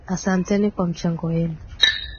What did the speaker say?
Asanteni kwa mchango wenu.